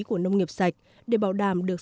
của nông nghiệp sạch để bảo đảm được